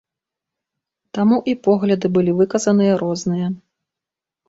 Таму і погляды былі выказаныя розныя.